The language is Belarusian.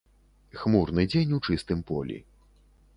Хмурны дзень у чыстым полі.